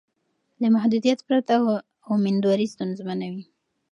له محدودیت پرته میندواري ستونزمنه وي.